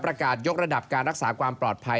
ประกาศยกระดับการรักษาความปลอดภัย